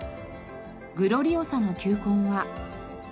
グロリオサの球根は。